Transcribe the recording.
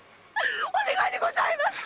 お願いでございます。